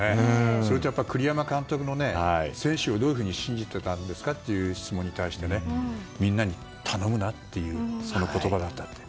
それと、栗山監督の選手をどう信じていたんですかという質問に対してみんなに、頼むなっていうその言葉だったっていう。